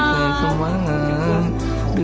เป็นไงดิ